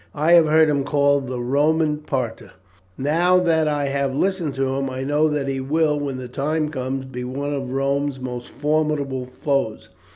I have heard him called 'the Roman,' Parta. Now that I have listened to him I know that he will, when the time comes, be one of Rome's most formidable foes.